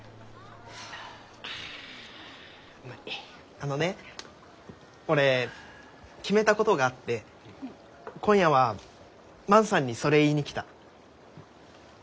あのね俺決めたことがあって今夜は万さんにそれ言いに来た。